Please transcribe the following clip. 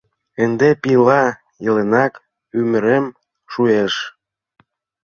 Ынде, пийла иленак, ӱмырем шуэш.